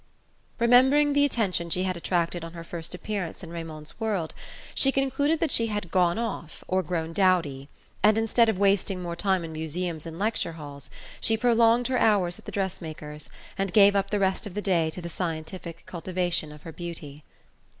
Remembering the attention she had attracted on her first appearance in Raymond's world she concluded that she had "gone off" or grown dowdy, and instead of wasting more time in museums and lecture halls she prolonged her hours at the dress maker's and gave up the rest of the day to the scientific cultivation of her beauty.